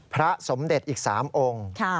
พระสมเด็จอีก๓องค์